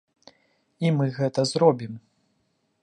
І мы гэта зробім.